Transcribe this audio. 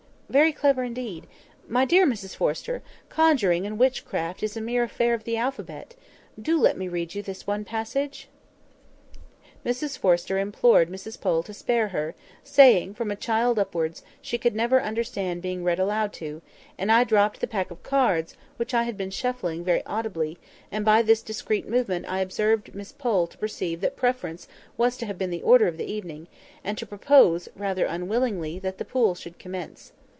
Very clear indeed! My dear Mrs Forrester, conjuring and witchcraft is a mere affair of the alphabet. Do let me read you this one passage?" Mrs Forrester implored Miss Pole to spare her, saying, from a child upwards, she never could understand being read aloud to; and I dropped the pack of cards, which I had been shuffling very audibly, and by this discreet movement I obliged Miss Pole to perceive that Preference was to have been the order of the evening, and to propose, rather unwillingly, that the pool should commence.